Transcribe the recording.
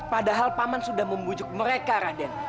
padahal paman sudah membujuk mereka raden